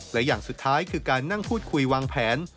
และอย่างสุดท้ายคือการนั่งพูดคุยวางแผน